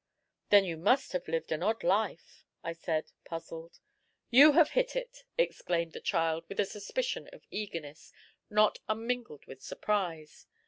"Then you must have lived an odd life," I said, puzzled. "You have hit it!" exclaimed the child, with a suspicion of eagerness, not unmingled with surprise.